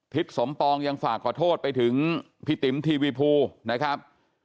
สมปองยังฝากขอโทษไปถึงพี่ติ๋มทีวีภูนะครับ